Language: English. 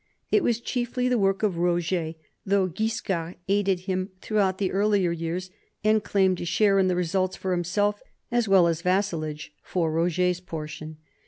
It was chiefly the work of Roger, though Guiscard aided him throughout the earlier years and claimed a share in the results for himself, as well as vassalage for Roger's por tion.